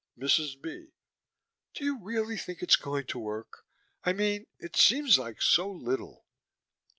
MRS. B.: Do you really think it's going to work? I mean, it seems like so little.